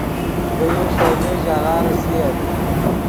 دے یو ݰئیلے ژاغہ ریسییت